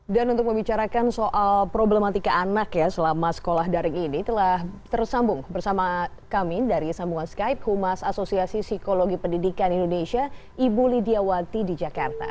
dan untuk membicarakan soal problematika anak ya selama sekolah daring ini telah tersambung bersama kami dari sambungan skype humas asosiasi psikologi pendidikan indonesia ibu lydia wati di jakarta